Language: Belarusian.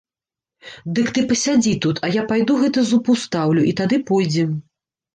Дык ты пасядзі тут, а я пайду гэты зуб устаўлю, і тады пойдзем.